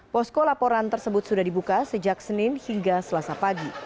posko laporan tersebut sudah dibuka sejak senin hingga selasa pagi